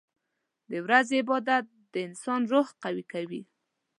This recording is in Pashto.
• د ورځې عبادت د انسان روح قوي کوي.